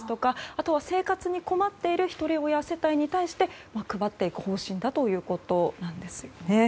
あとは、生活に困っている１人親世帯に対して配っていく方針だということなんです。